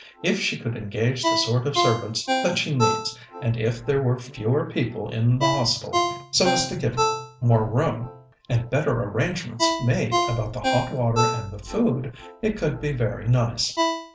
If she could engage the sort of servants that she needs, and if there were fewer people in the Hostel, so as to give more room, and better arrangements made about the hot water and the food, it could be very nice."